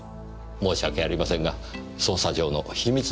申し訳ありませんが捜査上の秘密事項ですので。